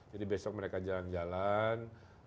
jadi besok mereka jalan jalan